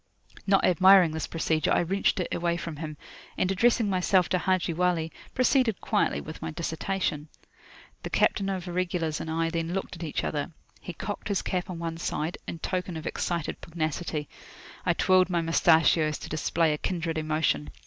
Not admiring this procedure, I wrenched it away from him, and, addressing myself to Haji Wali, proceeded quietly with my dissertation. The captain of Irregulars and I then looked at each other. He cocked his cap on one side, in token of excited pugnacity. I twirled my moustachios to display a kindred emotion.